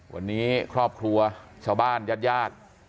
วันนี้ครอบครัวเจ้าบ้านยาดยาก